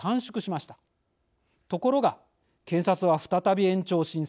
ところが検察は再び延長を申請。